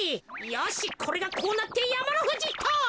よしこれがこうなってやまのふじっと！